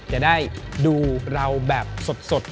จะได้ดูเราแบบสด